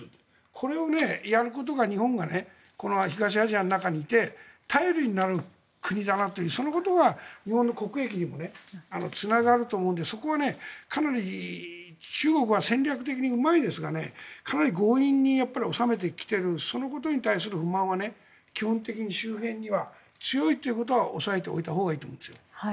これをやることが日本がこの東アジアの中にいて頼りになる国だなとそのことが日本の国益にもつながると思うのでそこはかなり中国は戦略的にうまいですがかなり強引に収めてきているそのことに対する不満は基本的に周辺には強いということは押さえておいたほうがいいと思うんですよ。